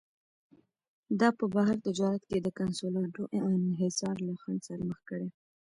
دا په بهر تجارت کې د کنسولاډو انحصار له خنډ سره مخ کړي.